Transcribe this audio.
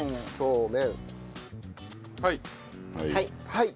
はい。